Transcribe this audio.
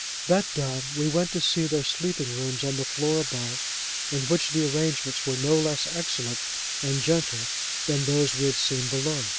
That done, we went to see their sleeping rooms on the floor above, in which the arrangements were no less excellent and gentle than those we had seen below.